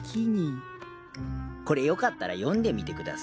これよかったら読んでみてください。